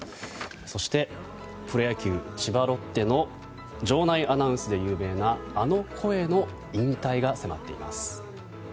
そしてプロ野球、千葉ロッテの場内アナウンスで有名なあの声の引退が迫っています。